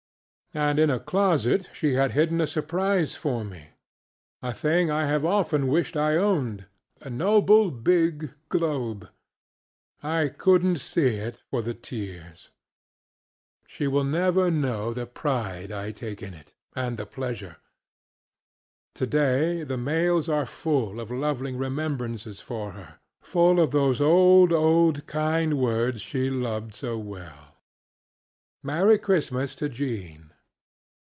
And in a closet she had hidden a surprise for meŌĆöa thing I have often wished I owned: a noble big globe. I couldnŌĆÖt see it for the tears. She will never know the pride I take in it, and the pleasure. Today the mails are full of loving remembrances for her: full of those old, old kind words she loved so well, ŌĆ£Merry Christmas to Jean!